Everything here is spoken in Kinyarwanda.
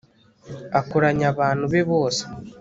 akoranya abantu be bose